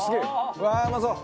うわーうまそう！